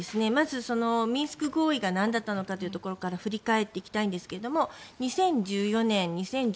まず、ミンスク合意が何だったのかというところから振り返っていきたいんですが２０１４年、２０１５年